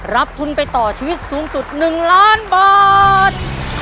รับทุนไปต่อชีวิตสูงสุด๑ล้านบาท